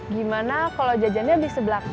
gimana kalau jajannya di sebelah